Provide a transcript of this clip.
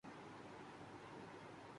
اس میں کیا برائی ہے؟